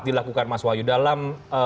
dilakukan mas wahyu dalam